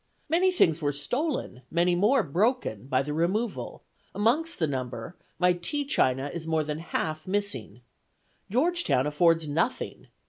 Many things were stolen, many more broken, by the removal; amongst the number, my tea china is more than half missing. Georgetown affords nothing.